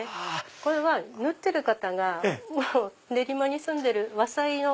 これは縫ってる方が練馬に住んでる和裁の。